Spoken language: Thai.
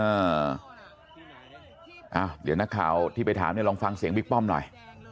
อ้าวเดี๋ยวนักข่าวที่ไปถามเนี่ยลองฟังเสียงบิ๊กป้อมหน่อย